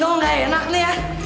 aduh perasaan nino gak enak nih ya